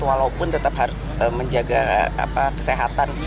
walaupun tetap harus menjaga kesehatan